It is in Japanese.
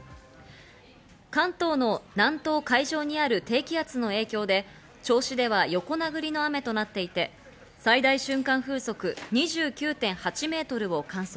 関東の南東海上にある低気圧の影響で銚子では横殴りの雨となっていて、最大瞬間風速２９．８メートルを観測。